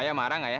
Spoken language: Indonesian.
ayah marah gak ya